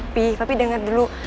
pi papi denger dulu